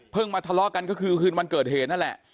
มาทะเลาะกันก็คือคืนวันเกิดเหตุนั่นแหละ